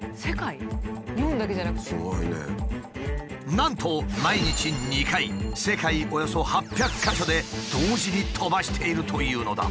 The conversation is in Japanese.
なんと毎日２回世界およそ８００か所で同時に飛ばしているというのだ。